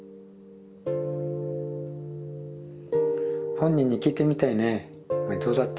本人に聞いてみたいね「お前どうだった？」